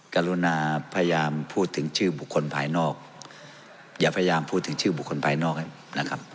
กรุณาพยายามพูดถึงชื่อบุคคลภายนอกอย่าพยายามพูดถึงชื่อบุคคลภายนอกให้นะครับ